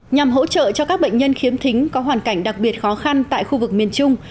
nhằm hỗ trợ cho các bệnh nhân khiếm thính có hoàn cảnh đặc biệt khó khăn tại khu vực miền trung